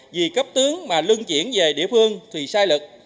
vì cấp tướng mà lưng chuyển về địa phương thì sai lực